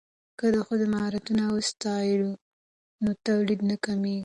که د ښځو مهارتونه وستایو نو تولید نه کمیږي.